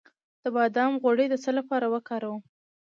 د بادام غوړي د څه لپاره وکاروم؟